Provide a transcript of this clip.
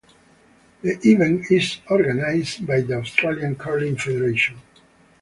The event is organized by the Australian Curling Federation.